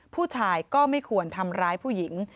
ผู้ชายก็ไม่ควรทำร้ายผู้หญิง